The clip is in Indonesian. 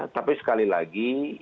tapi sekali lagi